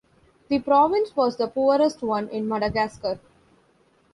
The province was the poorest one in Madagascar.